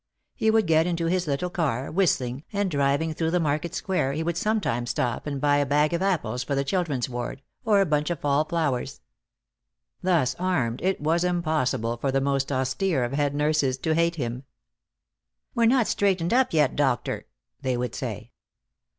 He would get into his little car, whistling, and driving through the market square he would sometimes stop and buy a bag of apples for the children's ward, or a bunch of fall flowers. Thus armed, it was impossible for the most austere of head nurses to hate him. "We're not straightened up yet, doctor," they would say.